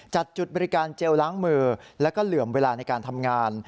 จุดบริการเจลล้างมือแล้วก็เหลื่อมเวลาในการทำงาน